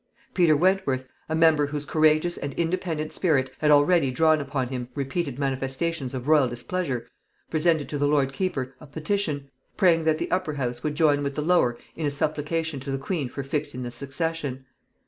Peter Wentworth, a member whose courageous and independent spirit had already drawn upon him repeated manifestations of royal displeasure, presented to the lord keeper a petition, praying that the upper house would join with the lower in a supplication to the queen for fixing the succession.